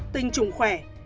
tinh chủng khỏe